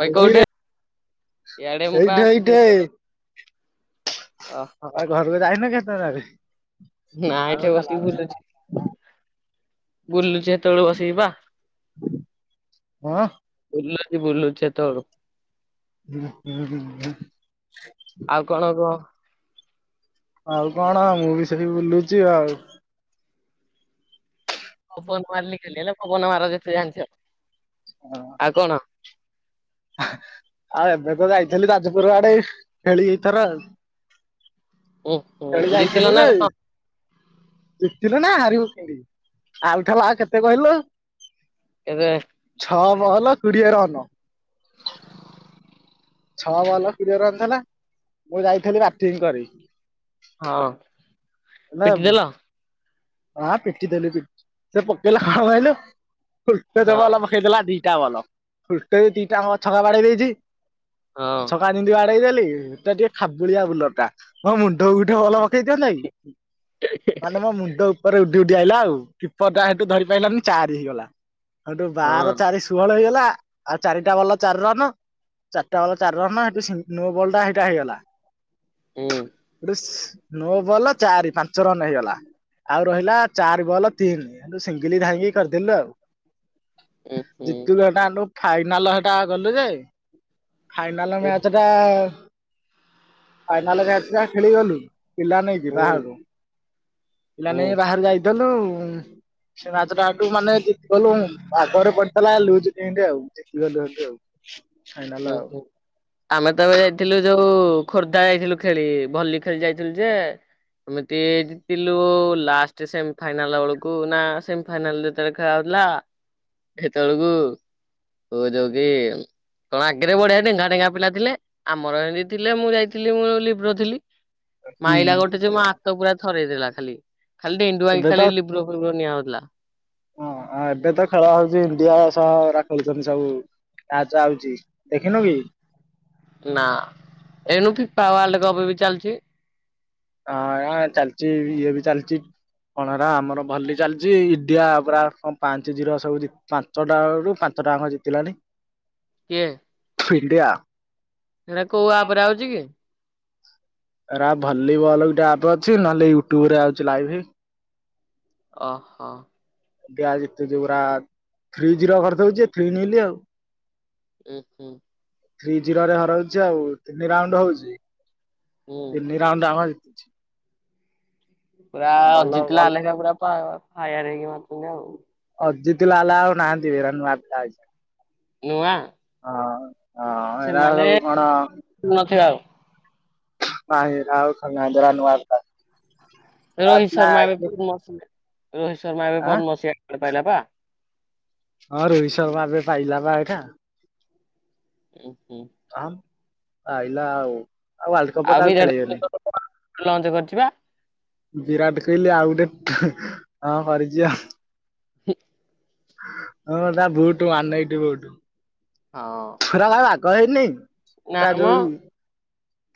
ଭାଇ ଏଇଠି କୋଉଠି? ଇଆଡେ ମୁଁ ଏଇଠି ପାଇଁ ଆସି ଏଇଠି ଅ ହୋ ଯାଇ ନ କେତା ଆରେ ନା ଏଠି ବସିକି ବୁଲୁଛି। ବୁଲୁଛି ଯେତେବେଳୁ ବସିକିପା। ହଁ ବୁଲୁଛି ବୁଲୁଛି ହେତେବେଳୁ। [unintelligible] ଆଉ କଣ କୁହ? ଆଉ କଣ ମୁଁ ବି ସେଇ ବୁଲୁଛି ଆଉ ପବନ ମାର ଲିକଲି ହେଲା ପବନ ମାର ଯେତେ ଜାଣି ହଅଁ ଆଉ ଏବେ ତ ଯାଇଥିଲି ଯାଜପୁର ଆଡେ ଖେଳି ଏଇଥର ଆଉ। ଉଁ ଖେଳି ହୁଁ ଜିତିଲ ଯାଇଥିଲୁ ନା ଯେ, କଣ? ଜିତିଲୁ ନା ହାରିବୁ ଖେଳି। ଆଉଥର ଆଉ କେତେ କହିଲ କେବେ ଛଅ ବହଲ କୋଡିଏ ରହନ। ଛଅ ଭଲ କ ରନ୍ ଥିଲା ମୁଁ ଯାଇଥିଲି ବାଟିଙ୍ଗ କରି। ହଁ ହେଲେ ପିଟିଦଲ। ହଁ ପିଟି ଦେଲୁ ପ ସେ ପକେଇଲା କଣନୁ ଜ ହଁ ଟେଇଦଲା ଦିଟା ଭଲ ଫଟ ଦିଟା ଛକା ବାଡେଇ ଦେଇଛି ହଁ ଛକା ମିତି ବାଡେଇଦେଲି ଏ ଟିକେ ଖାବୁଳିଆ ବୁଲ ଟା ମୋ ମୁଣ୍ଡକୁ ଗଠ ଭଲ ପକେଇ ଦିଅନ୍ତତଇ। ମାନେ ମୋ ମୁଣ୍ଡ ଉପରେ ଉଡି ଉଡି ଆଇଲା ଆଉ। କିପର ଟା ସେଇଠୁ ଧରି ପାରଲାନି ଚାରି ହେଇଗଲା ସେଇଠୁ ହଁ ବାର ଚାରି ଷୋହଳ ହେଇଗଲା। ଆଉ ଚାରିଟା ବଲ୍ ର ଚାରି ରନ। ଚାରିଟା ବଲର ଚାରି ରନ ହେଠୁ ସେ ନୋ ବଲଟା ସେଇଟା ହେଇଗଲା। ହୁଁ। ଗଟେ ସ୍ ନଅ ବଲ ଚାରି ପାଞ୍ଚ ରନ୍ ହେଇଗଲା। ଆଉ ରହିଲା ଚାରି ବଲ ତିନି ସିଙ୍ଗିଲ ଧାଇଙ୍ଗି କରିଦେଲୁ ଆଉ। ଉଁ ହୁଁ ଜିତୁଟା ଫାଇନାଲ ସେଟା ଗଲୁ ଯେ ଫାଇନାଲ ଉଁ ମ୍ୟାଚ ଟା ଫାଇନାଲ ମ୍ୟାଚ୍ ଟା ଖେଳିଗଲୁ। ପିଲା ନେଇକି ହୁଁ ବାହାରୁ ପିଲା ଉଁ ନେଇକି ବାହାରୁ ଯାଇଦଲୁ ସେ ନାଚଟାଠୁ ମାନେ ଜିତି କଲୁ ଆ ପାଗରେ ପଡିଥିଲା ଲୁଜ ପେଣ୍ଟ ଆଉ। [unintelligible] ଉ ଆଉ ହୁଁ ଆମେ ତବେ ଯାଇଥିଲୁ ଯୋଉ ଖୋର୍ଦ୍ଧା ଯାଇଥିଲୁ ଖେଳି ଭଲି ଖେଲ୍ ଯାଇଥିଲୁ ଯେ ଏମିତି ଜିତିଲୁ ଲାଷ୍ଟ ସେମି ଫାଇନାଲ ବେଳକୁ ନା ସେମ ଫାଇନାଲ ଯେତେବେଳେ ଖେଳା ହଉଥିଲା ସେତେବେଳକୁ ହ ଯଉ କି କଣ ଆଗରେ ବଢିଆ ଢେଙ୍ଗା ଟେଙ୍ଗା ପିଲା ଥିଲେ ଆମର ଏମତି ଥିଲେ ମୁଁ ଯାଇଥିଲି ମୁଁ ଲିପ୍ର ଥିଲି। ମାଇଲା ଗୋଟେ ଯେ ମୋ ଆତ ପୁରା ଥରେଇଦେଲା ଖାଲି। ଖାଲଡେ ଇଣ୍ଡୁ ହି ଏବେ ତ ଖଲିବ୍ରୋବନି ଆ ହଉଥିଲା। ହଁ ଏବେ ତ ଖେଳ ହଉଛି ଇଣ୍ଡିଆ ସହ ରାଖଛନ୍ତି ସବୁ ତା ଚାଉଛି ଦେଖିନୁ କି? ନା ଏନୁ ଫି ପାୱାଲ୍ଡ କପ ବି ଚାଲିଛି। ହଁ ଆ ଚାଲିଚ ଇଏ ବି ଚାଲଚି। କଣରା ଆମର ଭଲି ଚାଲିଛି ଇଡିଆ ପୁରା କଣ ପାଞ୍ଚ ଜିର ସବୁ ଯି ଛଟାରୁ ପାଞ୍ଚଟା ଆଙ୍କ ଜିତିଲାଣି। କିଏ ଫିଲ୍ଡିଆ ସେଇଟା କୋଉ ଆପରେ ଆଉଛି କି? ରା ଭଲିବଲ ଗୋଟେ ଆପ ଅଛି ନହେଲେ ୟୁଟ୍ୟୁବ ରେ ଆଉଛି ଲାଇଭ ଓହୋ। ଏ ଯେ ଯୋଉଗା ଥ୍ରୀ ଜିରୋ କରିଦେଉଛି ଥ୍ରୀ ନଲିି ଆଉ। ଉ ହୁଁ। ଥ୍ରୀ ଜିରୋ ରେ ହରଉଛି ଆଉ ତିନି ରାଉଣ୍ଡ ହଉଛି। ହୁଁ। [unintelligible] ପୁରା ଭଲ ଅଜିତ ଲ ଭଲ ଲେଖା ପୁରା ଫା ଫାୟାର ହେଇକି ମାରୁଛନ୍ତି ଆଉ। ଅଜିତି ଲା ଲା ଆଉ ନାହାନ୍ତି ଭରା ନୂଆ ପିଲାଇଛି। ନୂଆ। ହଁ ହ ହେରା ସବୁ କଣ? ନଥିବା ଆଉ। ମାହି ରା ଆଉ ଖ ଜରା ନୱାରଥା। ରୋହିତ ଶର୍ମା ଏବେ ପଦ୍ମଶୀ ରୋହିତ ଶର୍ମା ଏବେ ଆଁ ପଦ୍ମଶ୍ରୀଳେ ପାଇଲା ବା। ହଁ ରୋହିତ ଶର୍ମା ଏବେ ପାଇଲା ବା ଏଟା। ଉଁ ହୁଁ। ହମ ଆଇଲା ଆଉ। ଆଉ ୱାର୍ଲଡ କପ୍ ତ ଆଉ ଖେଳେଇବେନି ବିରାଟ ଲଞ୍ଚ କରିଛି ବା। ବିରାଟ କୋହଲିି ଆଉ ଗୋଟେ ଥୁ ହଁ କରିଛି ଆଉ। ହଁ। ହଁ ତା ବୁଟ ମାନ ଏଠି ବୁଟୁ। ହଁ। ଥୁ ହେରା ବାଗ ହେଇନି ନା ତା ମ ଯୋଉ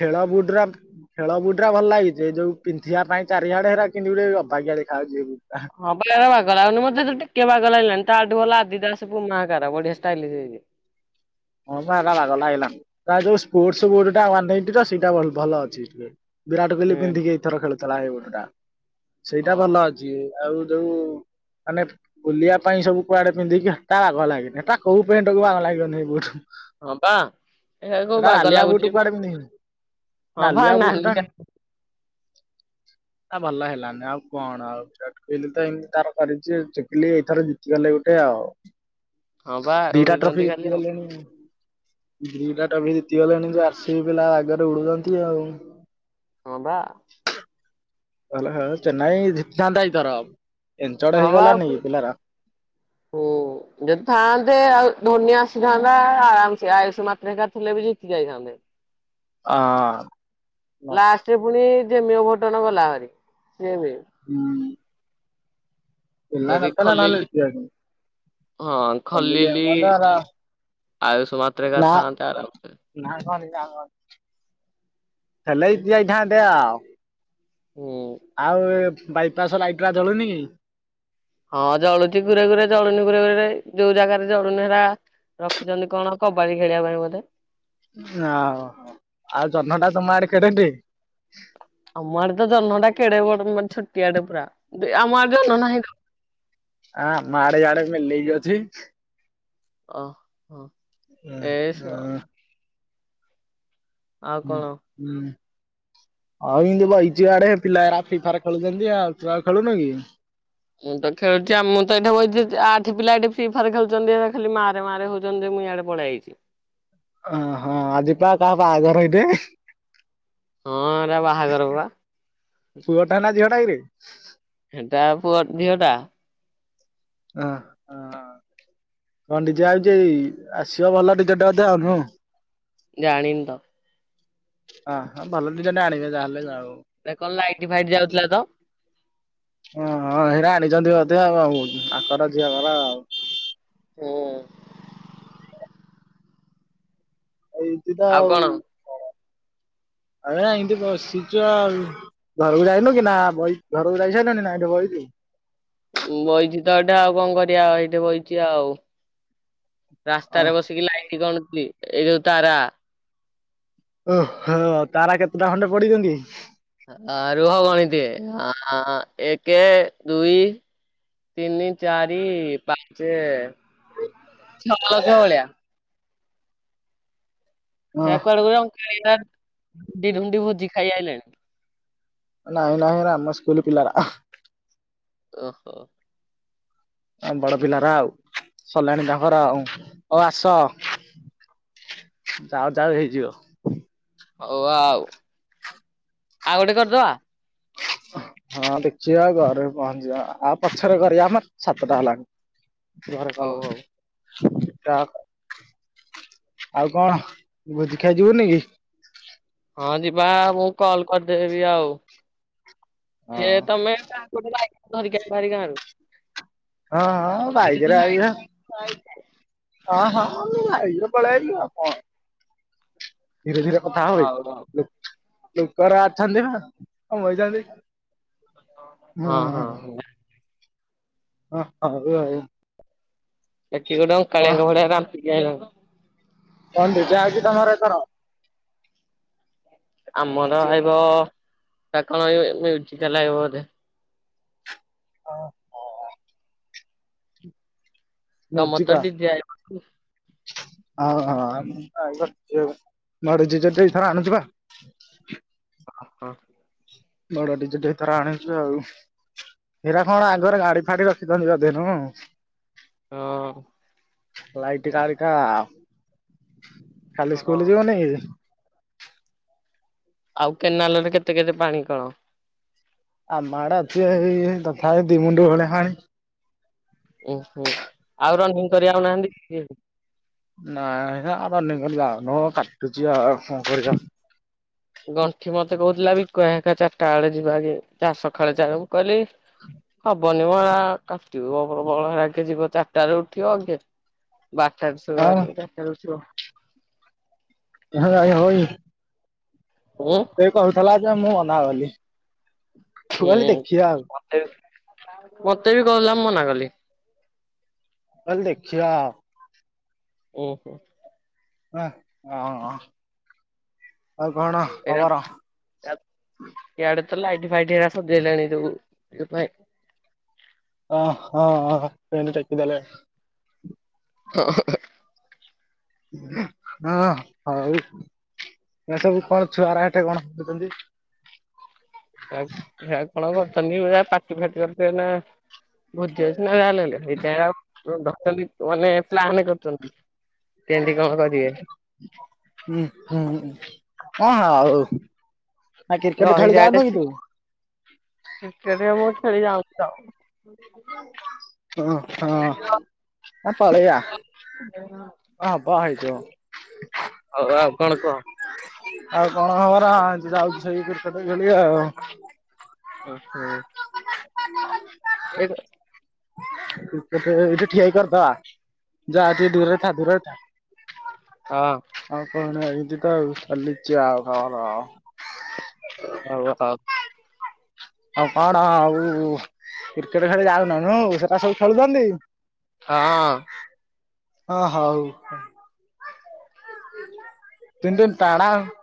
ଖେଳ ବୁଟରା ଖେଳ ବୁଟରା ଭଲ ଲାଗିଛି ଏ ଯୋଉ ପିନ୍ଧିବା ପାଇଁ ଚାରିଆଡେ ହେରା କିନ୍ତି ଗୋଟେ ଅବାଗିଆ ଦେଖାଉଛିି। [unintelligible] ହଁ ବା ବାଗ ଲାଗୁନି ମତେ ତ ଟିକେ ବାଗ ଲାଗିଲାନି ତାଠୁ ଭଲ ଆଦି ଦା ପୁମାକାର ବଢିଆଷ୍ଟାଇଲସ୍ ହେଇଚି। ହଁ ବା ହେରା ବା ଲାଗିଲାନି ତା ଯୋଉ ସ୍ପୋଟ ବୁଟ ଟା ୱାନ ଏଇଟି ର ସେଇଟା ଭ ଭଲ ଅଛି ଟିକେ। ବିରାଟ କୋହଲି ହୁଁ ପିନ୍ଧିକି ଏଇଥର ଖେଳୁଥିଲା ସେଇ ବୁଟଟା ସେଇଟା ହଁ ଭଲ ଅଛି। ଆଉ ଯୋଉ ମାନେ ବୁଲିବା ପାଇଁ ସବୁ କୁଆଡେ ପିନ୍ଧିକି ତା ବାଗ ଲାଗନି ତା କୋଉ ପେଣ୍ଟ କୁ ବା ଆଗ ଲାଗିବନି ସେ ବୁଟ। ହଁ ବା ଏ କୋଉ ହେଟା ବାଗ ନାଲିଆ ବୁଟ ଲାଗୁଛି କ। କୁଆଡେ ପିନ୍ଧିବି ହଁ ଭା ନାଲିଆ ବୁଟ ଟା ନାଲି ନା ଭଲ ହେଲାନି ଆଉ କଣ ଆଉଟ କହିଲି ତ ଏମିତି ତାର କରିଛି ଚୁଗୁଲି ଏଇଥର ଜିତିଗଲେ ଗୋଟେ ଆଉ। ହଁ ବା ଉଡୁଛନ୍ତି ଖାଲି ଆଉ। ହୁଁ। ଦିଟା ଟ୍ରଫି ଜିତିଗଲାଣି ଯେ ଆରସିବି ପିଲା ଆଗରେ ଉଡୁଛନ୍ତି ଆଉ। ହଁ ବା। ହ ହ ଚେନ୍ନାଇ ଜିତିଥାନ୍ତା ଏଥର। ହଁ ବା ହୁ। ଯଦି ଥାଆନ୍ତେ ଆଉ ଧୋନି ଆସିଥାନ୍ତା ଆରାମସେ ଆୟୁଷ ମାତ୍ର ହେଙ୍କ ଥିଲେ ବି ଜିତି ଯାଇଥାନ୍ତା। ସନ୍ଧେ। ଆଁ ହଁ। ଲାଷ୍ଟରେ ପୁଣି ଯେମିଓଘଟଣ ଗଲା ଭରି ସିଏ ବି। ହୁଁ। ପିଲା ଯଦି ନଥିଲେ ନହେଲେ ଖଲିଲି ଜିତିଯାଇଥାନ୍ତି। ହଁ ଖଲିଲି ର ଆୟୁଷ ମାତ୍ରେ କା ଥାନ୍ତା। ନାଁ ଘରେ ଗାଁ ଘର। ହେଲେ ଜିତିଯାଇଥାନ୍ତେ ଆଉ। ହୁଁ ଆଉ ବାଇପାସ୍ ଲାଇଟ ଗୁଡା ଜଳୁନି କି? ହଁ ଜଳୁଛି ଘୁରେ ଘୁରେ ଜଳୁନି ଘୁରେ ଘୁରେ ଯୋଉ ଜାଗାରେ ଜଳୁନି ହେରା ରଖିଛନ୍ତି କଣ କବାଡି ଖେଳିବା ପାଇଁ ବୋଧେ? ଆ ହୋ ହୋ ଆ ଜହ୍ନ ଟା ତମ ଆଡେ କେଡେଟେ? ଆମ ଆଡେ ତ ଜହ୍ନଟା କେଡେବଡ ମାନେ ଛୋଟିଆଟିଏ ପୁରା। ଆମ ଆଁ ଆଡେ ମାଡେ ଜହ୍ନ ନାହିଁ ତ ଆମଆଡେ ଇଆଡ଼େ ମେଲଇ କି ଅଛି। ଓ ହ। ହଁ। [unintelligible] ଆଉ ହୁ କଣ? ଉଁ ଆଉ ଏମିତିଇ ବଇଚି ଆଡେ ପିଲାଗୁଡା ଫ୍ରି ଫାଇୟର ଖେଳୁଛନ୍ତି ଆଉ ତୁ ଆଉ ଖେଳୁନ କି? ମୁଁ ତ ଖେଳୁଛି ଆଉ ମୁଁ ତ ଏଇଠ ବଇଛି ଆଠି ପିଲା ଏଠି ଫ୍ରି ଫାୟାର ଖେୁଛନ୍ତି ଏ ଖାଲି ମାରେ ମାରେ ହଉଛନ୍ତି। ମୁଇଁ ଆଡେ ପଳ ଆଇଛି। ଅ ହଁ ଆଜି ପା କାହା ବାହାଘର ଏବେ। ହଁ ଏରା ବାହାଘର ବା। ପୁଅଟା ନା ଝିଅ ଟାକିରେ? ହେଟା ପୁଅ ଝିଅ ଟା। ଓ ହଁ। ଅ ନିଜେ ଆଉଛି ଆସିବ ଭଲ ଟିକଟେ ବୋଧେ ହବ ଆଉ। ଜାଣିନି ତ? ହ ହଁ ଭଲ ଟିକେଟ ଆଣିବେ ଯାହେଲେ ଆଉ। ଏ କଣ ଲାଇଟ ଫାଇଟ ଯାଉଥିଲା ତ। ହଁ ହଁ ହେରା ଆଣିଛନ୍ତି ବୋଧେ ଆଉ ଆଙ୍କର ଝିଅ ଘର ଆଉ। ହଁ। [unintelligible] ତ ଆଉ। [inaudible] ଆଜ୍ଞା ଏନ୍ତି ବସିଛୁ ଆଉ। ଘରକୁ ଯାଇନୁ କି ନା ବଇ ଘରକୁ ଯାଇ ସାରିଲୁଣି ନା ଏଠି ବଇଛୁ? ବଇଛି ତ ଏଠେ ଆଉ କଣ କରିବା ଆ ଏଇଠି ବଇଛି ଆଉ। ରାସ୍ତାରେ ବସିକି ଲାଇଟି ଗଣୁଚି ଏଇଯୋଉ ତାରା। ଓହୋ ତାରା କେତେଟା ଖଣ୍ଡେ ପଡିଛନ୍ତି? ଆ ରୁହ ଗଣିଦିଏ ଆଁ ଏକେ ଦୁଇ। ତିନି ଚାରି ପାଞ୍ଚ ଛଅ ଲକ୍ଷ ଭଳିଆ। ହେରା ହଁ କୁଆଡକୁ ଗୁରେ [unintelligible] ଭୋଜି ଖାଇ ଆଇଲେଣି। ନହିଁ ନାହିଁ ହେରା ଆମ ସ୍କୁଲ ପିଲାରା ଆଁହଁ। ଓହୋ। ବଡ ପିଲାରା ଆଉ ସଲାଣି ତାଙ୍କର ଆଉ ହଉ ଆସ। ଯାଉ ଯାଉ ହେଇଯିବ। ହଉ ଆଉ। ଆଉ ଗୋଟେ ଆହୁରି କରିଦବା ଶସ୍ତା। ହଁ ଦେଖିବାଉ ଘରେ ପହଞ୍ଚିବା ଆଉ ପଛରେ କରିବା ମ ସାତଟା ହେଲାଣି। ଘରେ କଲ ହଉ ହଉ କରିବି। ଟାକ ଆଉ କଣ ଭୋଜିଖାଇ ଯିବୁନି କି? ହଁ ଯିବା ମୁଁ କଲ କରିଦେବି ଆଉ। ହଁ ସେ ତମେ [unintelligible] ଧରୀକି ଆସିବ ଭାରି ଗାଁ ରୁ। ହଁଁ ହଁ ବାଏକିରେ ଆଇବେ। ହଁ ହଁ ଆମେ ବାଇକିରେ ପଳେଇ ଆଇଲୁ ଆଉ କଣ। ଧୀରେ ଧୀରେ କଥା ହୋ ବେ ହଉ ହଉ ଲୋ ଲୋକଗୁଡ଼ା ଅଛନ୍ତି ନା ବାଇଚନ୍ତି। ହଁ। ଅ ହଉ ଆଉ। ଏଠି ଗୋଟେ କଣ ଅଙ୍କାଳିଆଙ୍କ ଭଳିଆ ରାମ୍ପିକି ଆଲା କଣ ଡି ଜେ ଆଇଛି ତମର ଏଥର? ଆମର ଗାଁ ଆଇବ ତା କଣ ମଜିକାଲ ଆଇବ ବୋଧେ। ଓ ହ। ତମର ତ ଡି ଜେ ଆଇ ବ ହ [unintelligible] ଲଡୁ ଡି ଜେ ତ ଏଇଥର ଆଣୁଛି ପା। ଓ ହୋ। ବଡ଼ ଡି ଜେ ଟେ ଏଥର ଆଣୁଚୁ ଆଉ। ହେରା କଣ ଆଗରେ ଗାଡ଼ି ଫାଡ଼ି ରଖିଚନ୍ତି ବୋଧେ ନୁ। ହଁ। ଲାଇଟ ଗାଡ଼ିଟା କାଲି ହଁ ସ୍କୁଲ୍ ଯିବୁନି କି? ଆଉ କେନାଲ୍ ରେ କେତେ କେତେ ପାଣି କଣ? ଆମ ଆଡେ ଅଛି ଏଇ ଏଇ ତଥାପି ଦି ମୁଣ୍ଡୁ ଭଳିଆ ପାଣି। ଉଁ ହୁଁ ଆଉ ରନିଂ କରି ଆଉ ନାହାନ୍ତି କି? ନାଇଁ ହେରା ରନିଂ କରି ଯାଉନୁ କାଟୁଚି ଆଉ କଣ କରିବା। ଗଣ୍ଠି ମତେ କହୁଥିଲା ବିକୁ ଭାଇ ହରକା ଚାରିଟା ବେଳେ ଯିବା କି ଚା ସକାଳେ ଚଳକୁ କହିଲି। ହ ହବନି ମ ହେରା କାଟିବ ବଳ ହେରା କିଏ ଯିବ ଚାରିଟରୁ ଉଠିବ କିଏ। ବାରଟା ରୁ ଶସୋଇବ ଆଉ ରାତି ଚାରଟା ରୁ ଉଠିବ। [unintelligible] ହୁଁ। ସେ କହୁଥିଲା ଯେ ମୁଁ ମନା କଲି। ମୁଁ ହୁଁ କହିଲି ଦେଖିବା ଆଉ ମତେ ମତେ ବି କହୁଥିଲା ମନା କଲି। କହିଲି ଦେଖିଆ ଆଉ। ଉଁ ହୁଁ। ଅ ହଁ ଆଉ କଣ? [unintelligible] ଖବର? ଇଆଡ଼େ ତ ଲାଇଟି ଫାଇଟିରା ସଜେଇଲେଣି ସବୁ ଟିକେ ଓ ହୋ ଟ୍ରେନ ଟେକିଦେଲେ। [unintelligible] ହଁ ହଉ ଏ ସବୁ କଣ ଛୁଆରା ଏଠେଇ କଣ ହୋଉଛନ୍ତି। ହେରା କଣ କରୁଚନ୍ତି ହେରା ପାଟି ଫାଟି ରଖିଥିବେ ନା? [unintelligible] କେମିତି କଣ କରିବେ? ହୁଁ ହୁଁ ହଁ ଆଉ ଆଉ କ୍ରିକେଟ୍ ଖେଳି ରହିଯା ଯାଉନୁ କି ଏଠି ତୁ? କ୍ରିକେଟ୍ ମୁଁ ଆଉ ଖେଳି ଯାଉନି ତ ଆଉ। [unintelligible] ହଁ ହବ ହେଇଯିବ। ହଉ ଆଉ କଣ କୁହ? ଆଉ କଣ ଖବର? ଆଜି ଯାଉଚି ସେଇ କ୍ରିକେଟ୍ ଖେଳି ଆଉ। ଓହୋ [unintelligible] ଠିଆ ହେଇକି କରିଦେବା। [unintelligible] ହଁ। ଆଉ କଣ ଏଇଟି ତ ଆଉ ଚାଲିଚି ଆଉ ହଁ ହଁ। [unintelligible] ଆଉ କଣ ଆଉ କ୍ରିକେଟ୍ ଖେଳି ଯାଉନ ନୁଁ ସେଟା ସବୁ ଖେଳୁଚନ୍ତି? ହଁ। ହଁ ହଉ। [unintelligible]